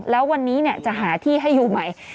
แล้ววันนี้จะหาที่ให้อยู่ใหม่